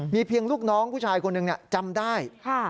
เพียงลูกน้องผู้ชายคนหนึ่งจำได้